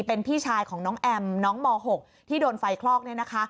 เป็นพี่ชายของน้องแอมน้องม๖ที่โดนไฟคลอก